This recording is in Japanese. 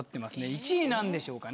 １位何でしょうかね？